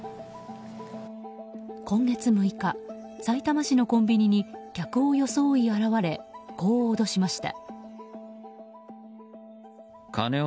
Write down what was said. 今月６日さいたま市のコンビニに客を装い現れこう脅しました。